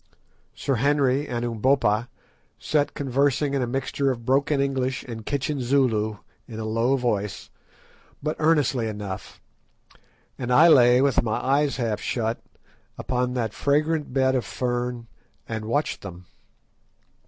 Sir Henry and Umbopa sat conversing in a mixture of broken English and Kitchen Zulu in a low voice, but earnestly enough, and I lay, with my eyes half shut, upon that fragrant bed of fern and watched them.